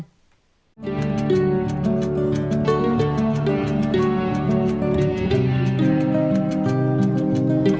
xếp thứ bốn asean